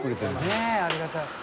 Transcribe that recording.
ねえありがたい。